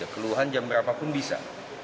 keluhan jam berapa pun bisa